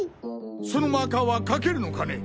そのマーカーは書けるのかね？